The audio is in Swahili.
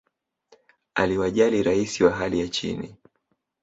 aliwajali rais wa hali ya chini